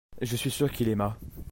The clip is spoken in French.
je suis sûr qu'il aima.